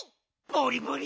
ボリボリ！